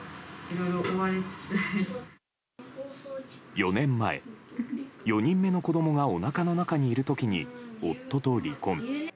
４年前、４人目の子供がおなかの中にいる時に夫と離婚。